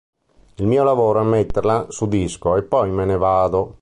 Il mio lavoro è metterla su disco, e poi me ne vado.